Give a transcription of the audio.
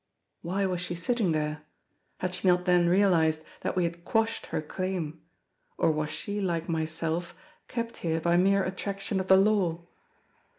Why was she sitting there? Had she not then realised that we had quashed her claim; or was she, like myself, kept here by mere attraction of the Law?